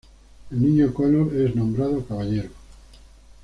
El niño Conor es nombrado caballero.